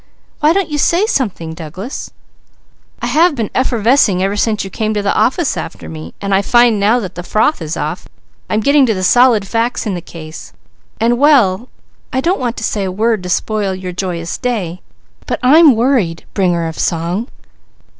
Why don't you say something, Douglas?" "I have been effervescing ever since you came to the office after me, and I find now that the froth is off, I'm getting to the solid facts in the case, and, well I don't want to say a word to spoil your joyous day, but I'm worried, 'Bringer of Song.'"